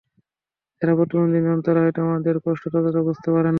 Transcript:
যারা প্রতিবন্ধী নন, তারা হয়তো আমাদের কষ্ট ততটা বুঝতে পারেন না।